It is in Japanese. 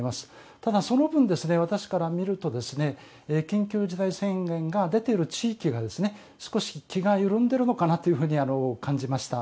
ただその分、私から見ると緊急事態宣言が出ている地域が少し気が緩んでるのかなというふうに感じました。